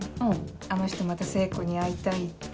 あの人また聖子に会いたいって。